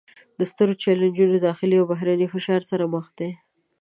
له سترو چلینجونو داخلي او بهرني فشار سره مخ دي